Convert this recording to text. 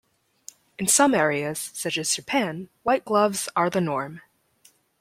In some areas, such as Japan, white gloves are the norm.